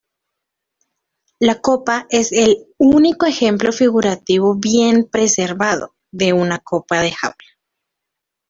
La copa es el "único ejemplo figurativo bien preservado" de una copa de jaula.